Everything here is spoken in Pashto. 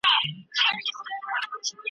چي ځواني رخصتېدله مستي هم ورسره ولاړه .